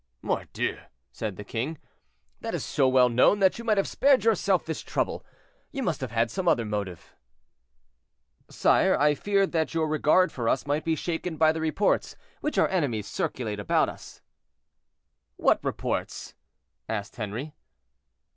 "Mordieu!" said the king, "that is so well known that you might have spared yourself this trouble. You must have had some other motive." "Sire, I feared that your regard for us might be shaken by the reports which our enemies circulate about us." "What reports?" asked Henri.